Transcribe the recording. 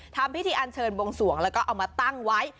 ทำพิธีอันเชิญบวงสวงแล้วก็เอามาตั้งไว้